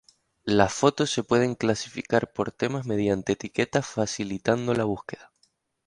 Las fotos se pueden clasificar por temas mediante etiquetas facilitando la búsqueda.